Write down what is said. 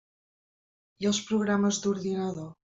I els programes d'ordinador?